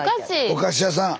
お菓子屋さん。